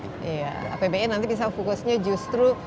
iya apbn nanti bisa fokusnya justru